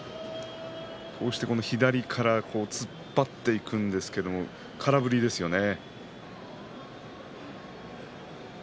こうして左から突っ張っていくんですけれども空振りですよね。